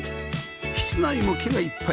室内も木がいっぱい！